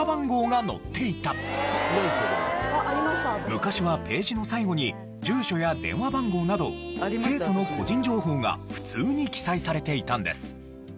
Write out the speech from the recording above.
昔はページの最後に住所や電話番号など生徒の個人情報が普通に記載されていたんです。